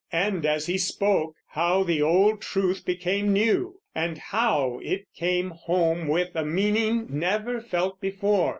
And as he spoke, how the old truth became new! and how it came home with a meaning never felt before!